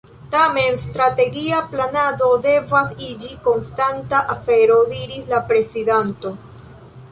Tamen strategia planado devas iĝi konstanta afero, diris la prezidanto.